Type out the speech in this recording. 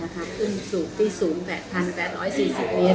ขึ้นสู่ปีสูง๘๘๔๐เวต